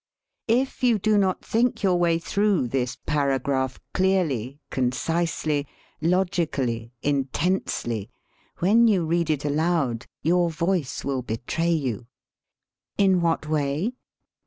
If you do not think your way through this paragraph clearly, concisely, logically, in tensely, when you read it aloud your voice /will betray you. In what way?